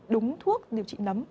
đúng thuốc điều trị nấm